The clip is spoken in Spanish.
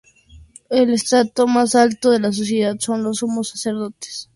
El estrato más alto de la sociedad son los sumos sacerdotes: los círculos.